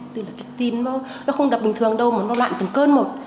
thì là cái tim nó không đập bình thường đâu mà nó loạn từng cơn một